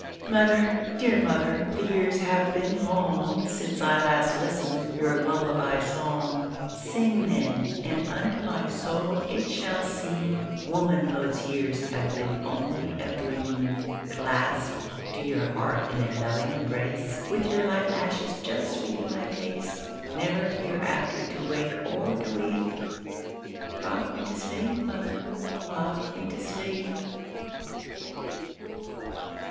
Mother, dear mother, the years have been longSince I last listened your lullaby song:Sing, then, and unto my soul it shall seemWomanhood's years have been only a dream. Clasped to your heart in a loving embrace, With your light lashes just sweeping my face, Never hereafter to wake or to weep;—Rock me to sleep, mother,—rock me to sleep!